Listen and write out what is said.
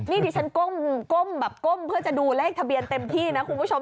นี่ดิฉันก้มแบบก้มเพื่อจะดูเลขทะเบียนเต็มที่นะคุณผู้ชม